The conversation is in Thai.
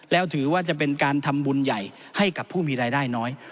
แล้วถือว่าจะเป็นการทำบุญใหญ่ให้กับผู้มีรายได้น้อย